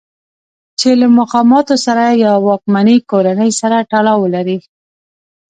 چې له مقاماتو سره یا واکمنې کورنۍ سره تړاو ولرئ.